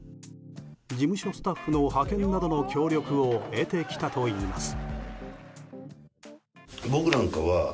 事務所スタッフの派遣などの協力を得てきたといいます。